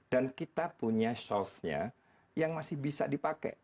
dan kita punya source nya yang masih bisa dipakai